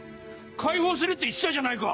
解放するって言ってたじゃないか！